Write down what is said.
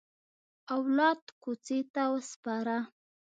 اولاد کوڅې ته وسپاره.